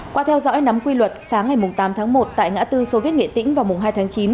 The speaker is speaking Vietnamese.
qua theo dõi nắm quy luật sáng ngày tám tháng một tại ngã tư soviet nghệ tĩnh vào mùng hai tháng chín